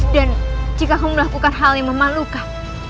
dan jika kamu melakukan hal yang memalukan